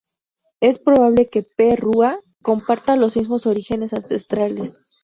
Es probable que "P. rua" comparta los mismos orígenes ancestrales.